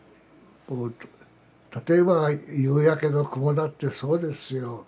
例えば夕焼けの雲だってそうですよ。